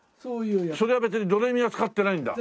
それは別にドレミは使ってないんだ。